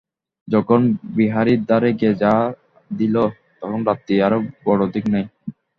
যখন বিহারীর দ্বারে গিয়া ঘা দিল, তখন রাত্রি আর বড়ো অধিক নাই।